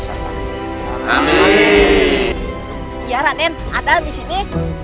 ya raden ada disini